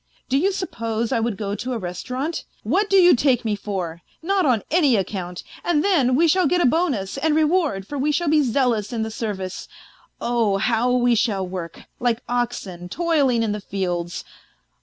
Do you suppose I would go to a restaurant ? What do you take me for ? Not on any account. And then we shall get a bonus and reward, for we shall be zealous in the service oh ! how we shall work, like oxen toiling in the fields.